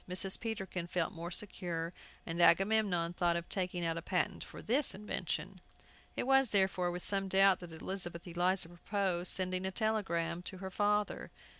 Mrs. Peterkin felt more secure, and Agamemnon thought of taking out a patent for this invention. It was, therefore, with some doubt that Elizabeth Eliza proposed sending a telegram to her father.